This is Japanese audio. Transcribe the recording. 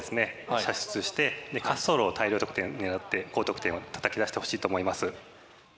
射出して滑走路を大量得点狙って高得点をたたき出してほしいと思います。